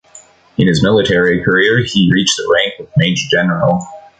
In his military career he reached a rank of major-general.